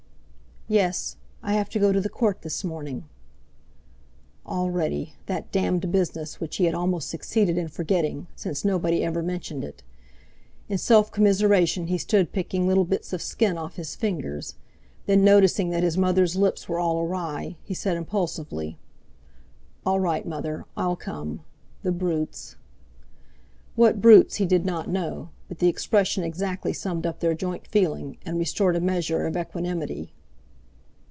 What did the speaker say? "Yes, I have to go to the Court this morning." Already!—that d— d business which he had almost succeeded in forgetting, since nobody ever mentioned it. In self commiseration he stood picking little bits of skin off his fingers. Then noticing that his mother's lips were all awry, he said impulsively: "All right, mother; I'll come. The brutes!" What brutes he did not know, but the expression exactly summed up their joint feeling, and restored a measure of equanimity.